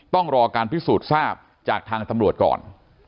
ต้องรอการพิสูจน์ทราบจากทางตำรวจก่อน